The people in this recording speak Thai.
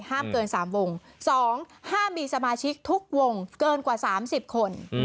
เกิน๓วง๒ห้ามมีสมาชิกทุกวงเกินกว่า๓๐คน